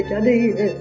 để cháu đi